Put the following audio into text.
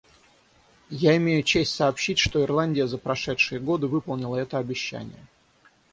Я имею честь сообщить, что Ирландия за прошедшие годы выполнила это обещание.